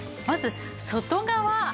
まず外側。